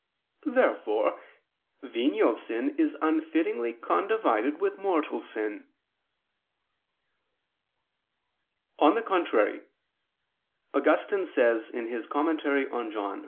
Therefore venial sin is unfittingly condivided with mortal sin. On the contrary, Augustine says (Tract. xli in Joan.)